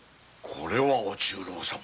これはお中臈様